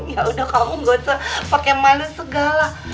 ya udah kamu gak usah pakai malu segala